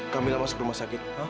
kamila masuk rumah sakit